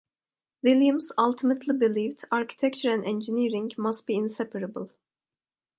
Williams ultimately believed architecture and engineering must be inseparable.